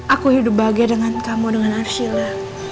aku hidup bahagia dengan kamu dengan arshila